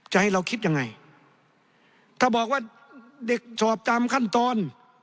จะให้เราคิดยังไงถ้าบอกว่าเด็กสอบตามขั้นตอน